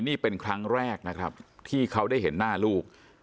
นี่เป็นครั้งแรกนะครับที่เขาได้เห็นหน้าลูก